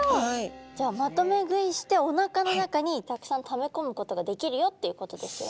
じゃあまとめ食いしておなかの中にたくさんためこむことができるよっていうことですよね。